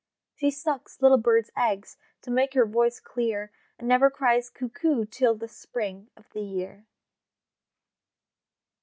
She sucks little birds' eggs, To make her voice clear, And never cries Cuckoo Till the spring of the year.